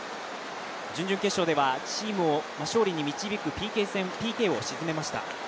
準々決勝ではチームを勝利に導くＰＫ戦でＰＫを沈めました。